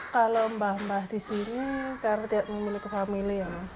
kalau mbah mbah di sini karena tidak memiliki family ya mas